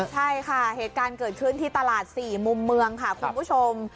ใช่ค่ะเหตุการณ์เกิดขึ้นที่ตลาด๔มุมเมืองค่ะคุณผู้ชม